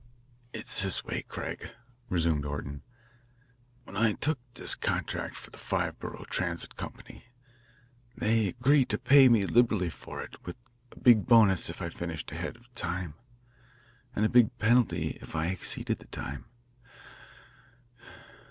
"It's this way, Craig," resumed Orton. "When I took this contract for the Five Borough Transit Company, they agreed to pay me liberally for it, with a big bonus if I finished ahead of time, and a big penalty if I exceeded the time.